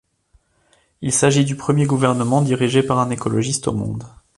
Il s'agit du premier gouvernement dirigé par un écologiste au monde.